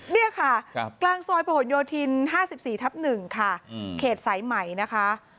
นี่ค่ะกลางซอยประหลโยธิน๕๔ทับ๑ค่ะเขตสายใหม่นะคะ